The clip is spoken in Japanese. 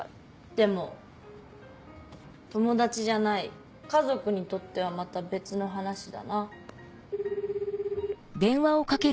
でも友達じゃない家族にとってはまた別の話だな。